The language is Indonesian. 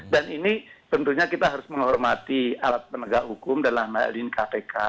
dan ini tentunya kita harus menghormati alat penegak hukum dalam hal ini kpk